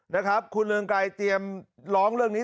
นะครับคุณเรืองไกรเตรียมร้องเรื่องนี้